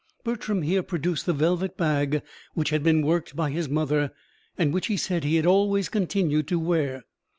Bertram here produced the velvet bag which had been worked by his mother, and which he said he had always continued to wear.